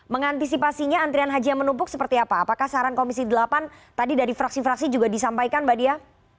mengantisipasinya antrian haji yang menumpuk seperti apa apakah saran komisi delapan tadi dari fraksi fraksi juga disampaikan mbak dia